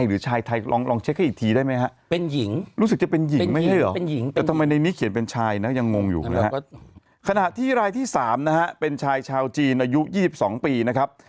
รายที่สามนะฮะเป็นชายชาวจีนอายุ๒๒ปีนะครับ